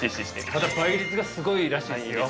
◆ただ、倍率がすごいらしいですよ。